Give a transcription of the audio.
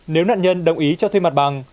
nếu nạn nhân đồng ý cho thuê mặt bằng